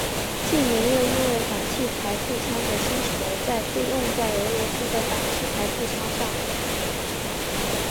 近年又因为反器材步枪的兴起而被用在俄罗斯的反器材步枪上。